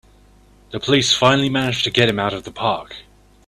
The police finally manage to get him out of the park!